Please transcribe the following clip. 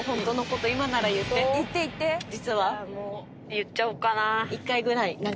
言っちゃおっかな。